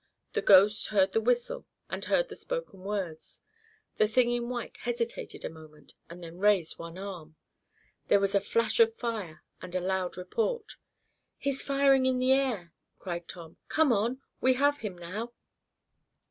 The "ghost" heard the whistle, and heard the spoken words. The thing in white hesitated a moment, and then raised one arm. There was a flash of fire, and a loud report. "He's firing in the air!" cried Tom. "Come on, we have him now!"